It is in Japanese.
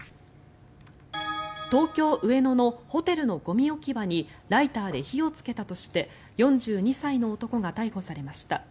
東京・上野のホテルのゴミ置き場にライターで火をつけたとして４２歳の男が逮捕されました。